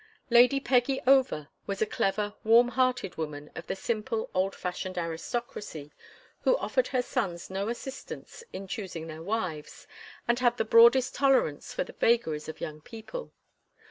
Lady "Peggy" Over was a clever, warm hearted woman of the simple, old fashioned aristocracy, who offered her sons no assistance in choosing their wives, and had the broadest tolerance for the vagaries of young people.